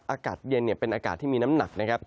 อากาศเย็นเป็นอากาศที่มีน้ำหนักนะครับ